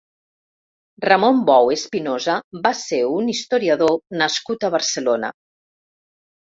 Ramon Bou Espinosa va ser un historiador nascut a Barcelona.